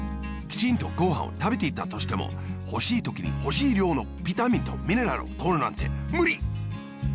きちんとごはんをたべていたとしてもほしいときにほしいりょうのビタミンとミネラルをとるなんてむり！